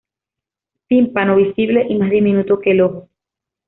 Tímpano visible y más diminuto que el ojo.